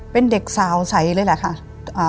เป็นเด็กสาวใสเลยแหละค่ะ